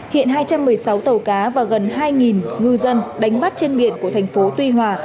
hiện hai trăm một mươi sáu tàu cá và gần hai ngư dân đánh bắt trên biển của thành phố tuy hòa